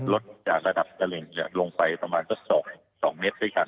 ลดจากระดับกระเร่งลงไปประมาณ๒เมตรด้วยกัน